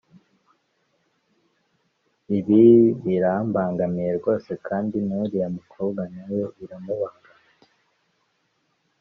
Ibi birambangamiye rwose kandi n’uriya mukobwa na we biramubangamiye